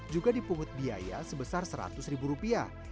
juga dipungut biaya sebesar seratus ribu rupiah